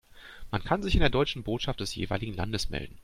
Man kann sich in der deutschen Botschaft des jeweiligen Landes melden.